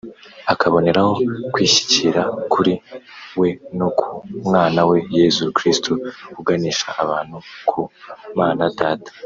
akaboneraho kwishyikira kuri we no ku mwana we Yezu Krisitu uganisha abantu ku Mana Data